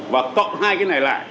và tọng hai cái này lại